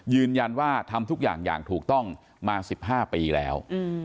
ยืนยันว่าทำทุกอย่างอย่างถูกต้องมา๑๕ปีแล้ว